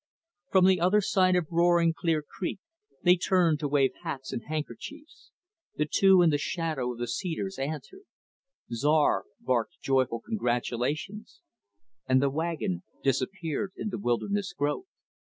From the other side of roaring Clear Creek, they turned to wave hats and handkerchiefs; the two in the shadow of the cedars answered; Czar barked joyful congratulations; and the wagon disappeared in the wilderness growth.